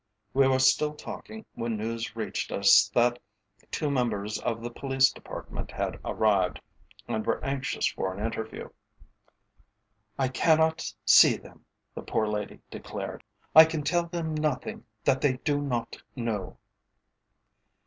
We were still talking when news reached us that two members of the Police Department had arrived, and were anxious for an interview. "I cannot see them," the poor lady declared. "I can tell them nothing that they do not know!"